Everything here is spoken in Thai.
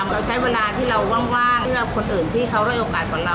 เราใช้เวลาที่เราว่างเพื่อคนอื่นที่เขาได้โอกาสเหมือนเรา